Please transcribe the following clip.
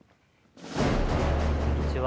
こんにちは。